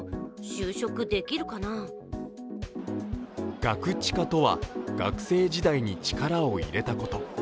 ガクチカとは学生時代に力を入れたこと。